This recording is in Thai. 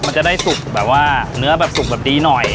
มันจะได้สุกแบบว่าเนื้อแบบสุกแบบดีหน่อย